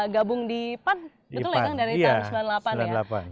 gabung di betul ya kang dari tahun sembilan puluh delapan ya